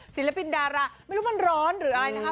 ศิลปินดาราไม่รู้มันร้อนหรืออะไรนะคะ